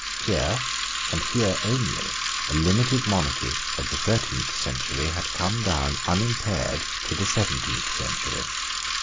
Here, and here only, a limited monarchy of the thirteenth century had come down unimpaired to the seventeenth century.